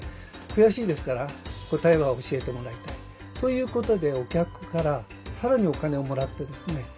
悔しいですから答えは教えてもらいたい。ということでお客から更にお金をもらってですね